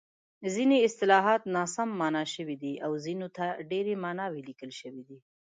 ځیني اصطلاحات ناسم مانا شوي دي او ځینو ته ډېرې ماناوې لیکل شوې دي.